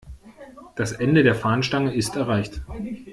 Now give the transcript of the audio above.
Das Ende der Fahnenstange ist erreicht.